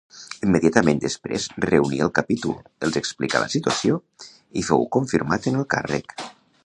Immediatament després reuní el Capítol, els explicà la situació i fou confirmat en el càrrec.